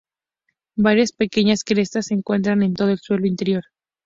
Varias pequeñas crestas se encuentran en todo el suelo interior.